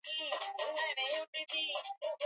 mama mjawazito anaweza kusikia baridi na kutetemeka